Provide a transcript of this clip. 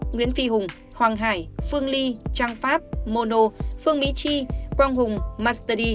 nguyễn phi hùng hoàng hải phương ly trang pháp mono phương mỹ chi quang hùng master d